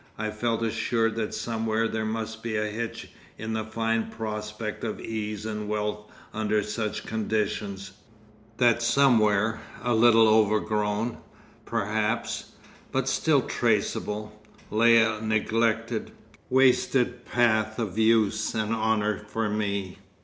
I felt assured that somewhere there must be a hitch in the fine prospect of ease and wealth under such conditions; that somewhere, a little overgrown, perhaps, but still traceable, lay a neglected, wasted path of use and honour for me.